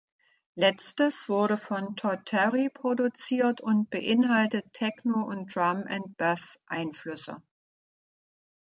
Letztes wurde von Todd Terry produziert und beinhaltet Techno- und Drum-and-Bass-Einflüsse.